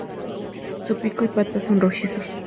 Su pico y patas son rojizos.